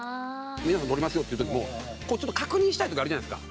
皆さん撮りますよっていう時も確認したい時あるじゃないですか